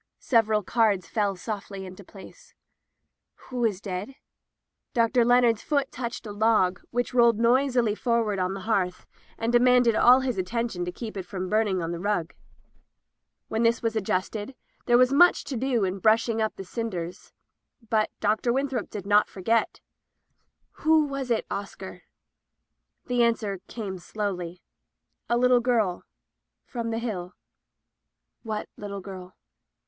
Several cards fell softly into place. "Who is dead?" Dr. Leonard's foot touched a log, which rolled noisily forward on the hearth and de manded all his attention to keep it from burning the rug. When this was adjusted, there was much to do in brushing up die cin ders. But Dr. Winthrop did not forget. "Who was it, Oscar?" The answer came slowly — "A little girl— from the Hill." "What little girl?"